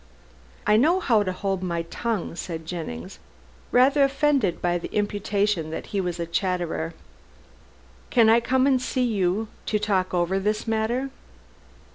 "I know how to hold my tongue," said Jennings, rather offended by the imputation that he was a chatterer, "can I come and see you to talk over this matter?"